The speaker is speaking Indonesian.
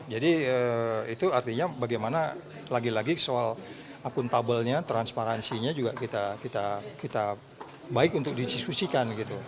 jadi itu artinya bagaimana lagi lagi soal akuntabelnya transparansinya juga kita baik untuk didiskusikan gitu